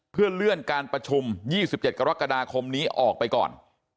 เพื่อเลื่อนการประชุม๒๗กรกฎาคมนี้ออกไปก่อน